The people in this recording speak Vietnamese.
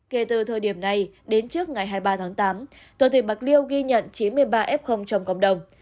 kể từ thời điểm này đến trước ngày hai mươi ba tháng tám toàn thủy bạc liêu ghi nhận chín mươi ba f trong cộng đồng